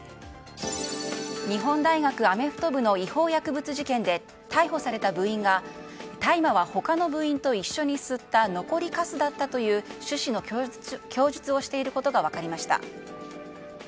日本大学アメフト部の違法薬物事件で逮捕された部員が大麻は他の部員と一緒に吸った残りかすだったという趣旨の供述をしていることが分かりました。